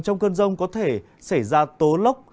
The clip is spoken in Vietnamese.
trong cơn rông có thể xảy ra tố lốc